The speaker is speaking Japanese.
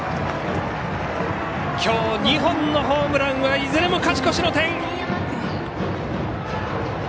きょう２本のホームランはいずれも勝ち越しの点！